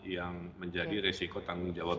yang menjadi resiko tanggung jawab